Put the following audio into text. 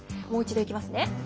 もう一度いきますね。